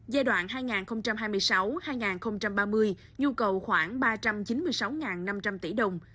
giai đoạn hai nghìn hai mươi sáu hai nghìn ba mươi nhu cầu khoảng ba trăm chín mươi sáu năm trăm linh tỷ đồng